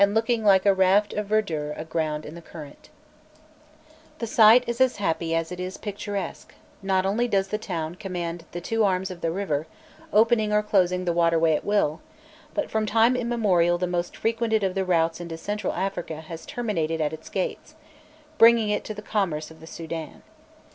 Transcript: jpg NOMES OF MIDDLE EGYPT] The site is as happy as it is picturesque; not only does the town command the two arms of the river, opening or closing the waterway at will, but from time immemorial the most frequented of the routes into Central Africa has terminated at its gates, bringing to it the commerce of the Soudan.